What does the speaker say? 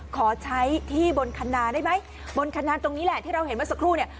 ขอใช้ที่บนคันนาได้ไหมบนคันนาตรงนี้แหละที่เราเห็นเมื่อสักครู่เนี่ย